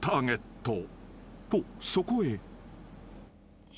［とそこへ］